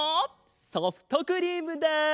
ソフトクリームだ！